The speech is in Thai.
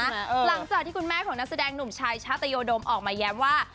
หลังจากที่คุณแม่ของนักแสดงหนุ่มชายชาตยโดมออกมาแย้มว่า